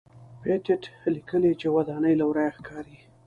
پېټټ لیکلي چې ودانۍ له ورایه ښکاري.